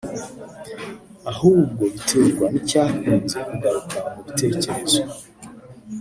ahubwo biterwa n’icyakunze kugaruka mu bitekerezo